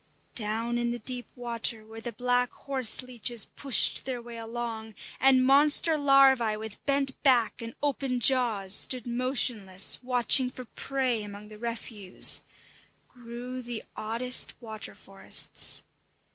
Down in the deep water where the black horse leeches pushed their way along, and monster larvæ with bent back and open jaws stood motionless, watching for prey among the refuse, grew the oddest water forests.